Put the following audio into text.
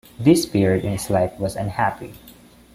This period in his life was unhappy.